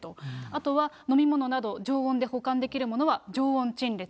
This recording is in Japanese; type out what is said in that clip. あとは飲み物など、常温で保管できるものは常温陳列。